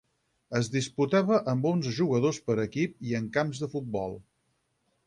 Es disputava amb onze jugadors per equip i en camps de futbol.